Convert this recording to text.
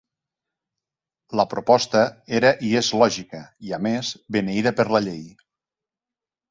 La proposta era i és lògica i, a més, beneïda per la llei.